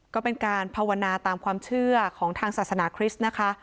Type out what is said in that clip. ก็เป็นการภาวนาตามความเชื่อของทางศาสนาคริสต์นะคะ